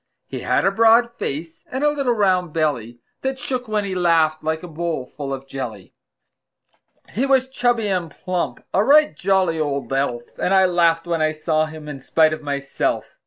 He had a broad face, and a little round belly That shook when he laughed, like a bowl full of jelly. He was chubby and plump a right jolly old elf; And I laughed when I saw him in spite of myself.